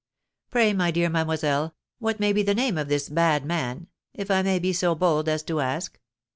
Pray, my dear mademoiselle, what may be the name of this bad man, if I may make so bold as to ask?"